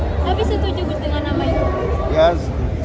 tapi setuju gus dengan namanya